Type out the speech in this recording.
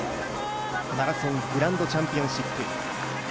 マラソングランドチャンピオンシップ。